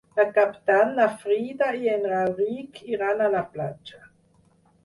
Per Cap d'Any na Frida i en Rauric iran a la platja.